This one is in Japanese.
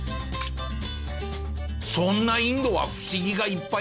そんなインドは不思議がいっぱい。